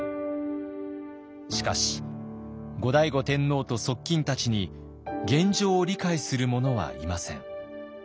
しかし後醍醐天皇と側近たちに現状を理解する者はいません。